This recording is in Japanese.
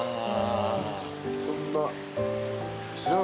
そんな。